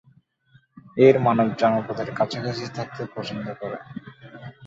এর মানব জনপদের কাছাকাছি থাকতে পছন্দ করে।